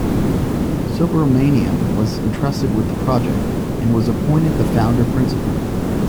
Subhramanyam was entrusted with the project and was appointed the founder principal.